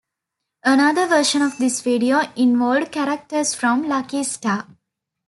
Another version of this video involved characters from Lucky Star.